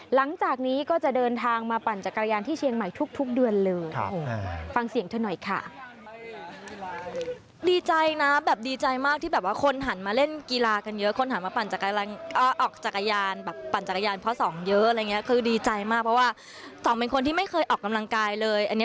หลังจากนี้ก็จะเดินทางมาปั่นจักรยานที่เชียงใหม่ทุกเดือนเลย